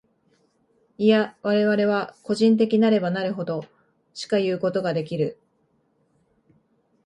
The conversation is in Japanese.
否、我々は個人的なればなるほど、しかいうことができる。